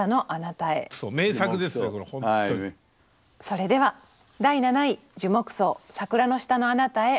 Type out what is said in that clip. それでは第７位「樹木葬桜の下のあなたへ」